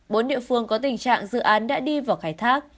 bốn địa phương có tình trạng dự án đã đi vào khai thác